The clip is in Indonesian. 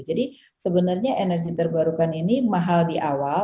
jadi sebenarnya energi terbarukan ini mahal di awal